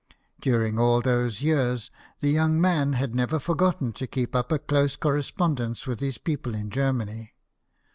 During all those years, the young man had never forgotten to keep up a close correspond ence with his people in Germany.